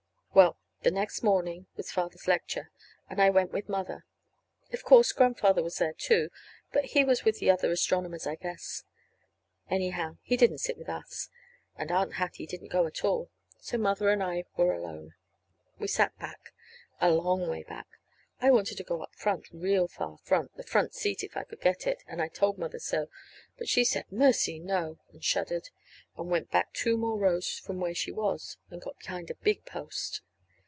Well, the next morning was Father's lecture, and I went with Mother. Of course Grandfather was there, too, but he was with the other astronomers, I guess. Anyhow, he didn't sit with us. And Aunt Hattie didn't go at all. So Mother and I were alone. We sat back a long ways back. I wanted to go up front, real far front the front seat, if I could get it; and I told Mother so. But she said, "Mercy, no!" and shuddered, and went back two more rows from where she was, and got behind a big post.